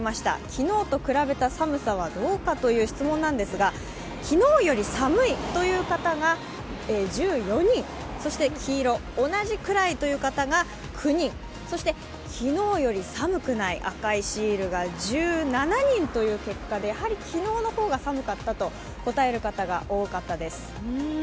昨日と比べた寒さはどうかという質問なんですが昨日より寒いという方が１４人、そして同じくらいという方が９人そして昨日より寒くない赤いシールが１７人という結果でやはり昨日の方が寒かったと答える方が多かったです。